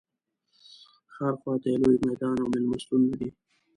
ښار خواته یې لوی میدان او مېلمستونونه دي.